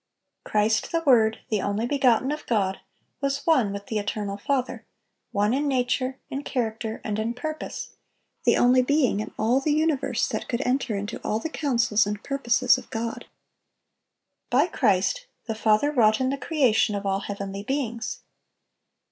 Christ the Word, the only begotten of God, was one with the eternal Father,—one in nature, in character, and in purpose,—the only being in all the universe that could enter into all the counsels and purposes of God. By Christ, the Father wrought in the creation of all heavenly beings.